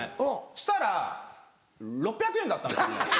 したら６００円だったんですよね。